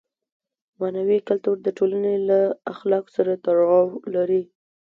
معنوي کلتور د ټولنې له اخلاقو سره تړاو لري.